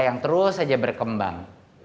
yang terus saja berkembang